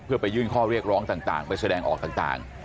เพื่อไปยื่นข้อเรียกร้องต่างไปแสดงออกต่าง